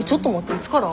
いつから？